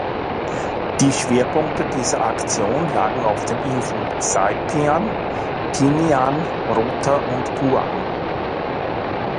Die Schwerpunkte dieser Aktion lagen auf den Inseln Saipan, Tinian, Rota und Guam.